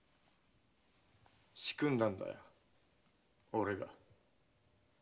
仕組んだんだよ俺が。